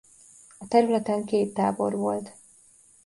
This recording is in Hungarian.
A területen két tábor volt.